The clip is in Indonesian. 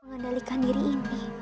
mengendalikan diri ini